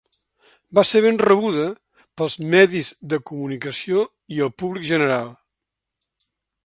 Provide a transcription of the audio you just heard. Va ser ben rebuda pels medis de comunicació i el públic general.